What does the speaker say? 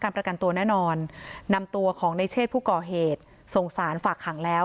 ประกันตัวแน่นอนนำตัวของในเชศผู้ก่อเหตุส่งสารฝากขังแล้ว